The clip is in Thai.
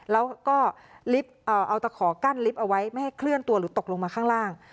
แล้วก็เอาตะขอกั้นลิฟต์เอาไว้ไม่ให้เคลื่อนตัวหรือตกลงมาข้างล่าง